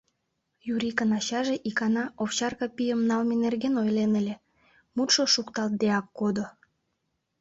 Юрикын ачаже икана овчарка пийым налме нерген ойлен ыле, мутшо шукталтдеак кодо.